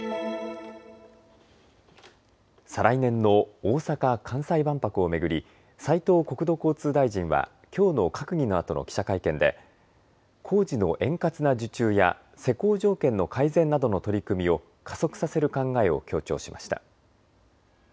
再来年の大阪・関西万博を巡り斉藤国土交通大臣はきょうの閣議のあとの記者会見で工事の円滑な受注や施工条件の改善などの取り組みを加速させる考えを強調しました。